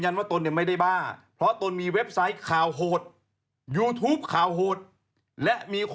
ทั้งชีวิตไม่รู้อาจจะ๘๐๐คดี